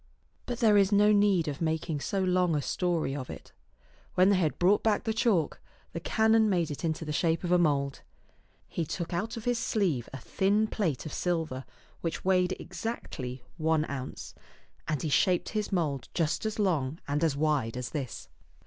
But there is no need of making so long a story of it. When they had brought back the chalk, the canon made it into the shape of a mould. He took out of his sleeve a thin plate of silver which weighed exactly one ounce, and he shaped his mould just as long and as wide as this.